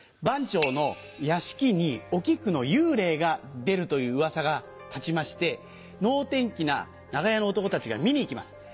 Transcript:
番町の屋敷にお菊の幽霊が出るといううわさが立ちまして能天気な長屋の男たちが見に行きます。